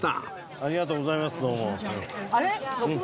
ありがとうございます。